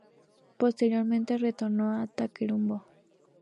Posteriormente, retornó a Tacuarembó.